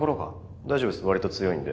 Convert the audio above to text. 大丈夫です割と強いんで。